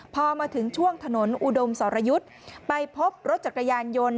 พอมาถึงช่วงถนนอุดมสรยุทธ์ไปพบรถจักรยานยนต์